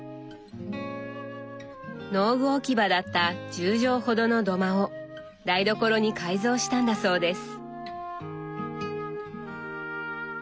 農具置き場だった１０畳ほどの土間を台所に改造したんだそうです。